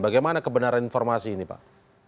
bagaimana kebenaran informasi ini pak